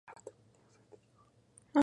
Este servicio es gratuito.